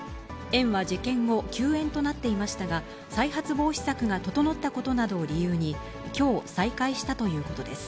園は事件後、休園となっていましたが、再発防止策が整ったことなどを理由に、きょう再開したということです。